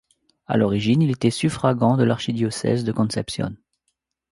À l'origine, il était suffragant de l'archidiocèse de Concepción.